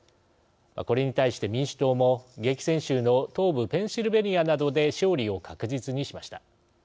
これに対して民主党も激戦州の東部ペンシルベニアなどで勝利を確実にしました。